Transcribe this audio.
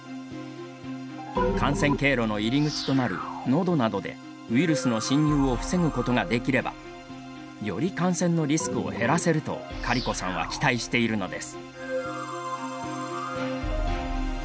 感染経路の入り口となるのどなどでウイルスの侵入を防ぐことができればより感染のリスクを減らせるとカリコさんは期待しているのです。